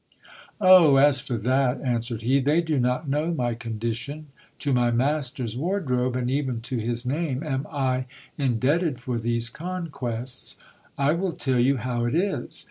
Oh ! as for that, answer ed he, they do not know my condition. To my master's wardrobe, and even to his name, am I indebted for these conquests. I will tell you how it is.